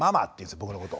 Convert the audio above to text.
僕のこと。